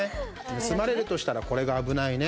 盗まれるとしたらこれが危ないね。